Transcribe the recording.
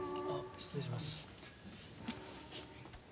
失礼します。